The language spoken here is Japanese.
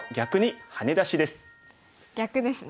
逆ですね。